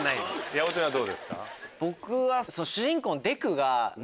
八乙女はどうですか？